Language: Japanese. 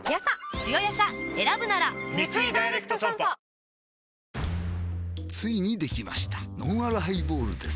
「氷結」ついにできましたのんあるハイボールです